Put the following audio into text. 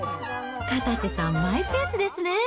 かたせさん、マイペースですね。